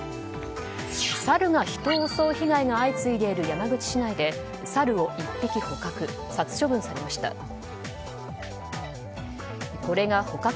サルが人を襲う被害が相次いでいる山口市内でサルを１匹捕獲。